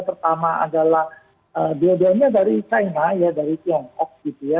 pertama adalah dua duanya dari china ya dari tiongkok gitu ya